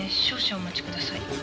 少々お待ち下さい。